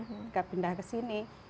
tidak pindah ke sini